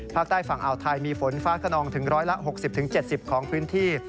ภาคใต้ฝั่งอาว์ทไทยมีฝนฟ้าคนองถึง๑๖๐๗๐องศาเซลเซียสของพื้นที่